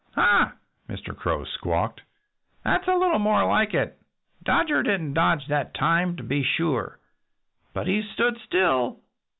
"Ha!" Mr. Crow squawked. "That's a little more like it. Dodger didn't dodge that time, to be sure. But he stood still.